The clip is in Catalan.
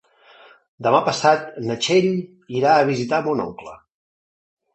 Demà passat na Txell irà a visitar mon oncle.